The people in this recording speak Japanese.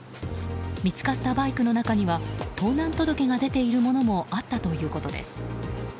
見つかったバイクの中には盗難届が出ているものもあったということです。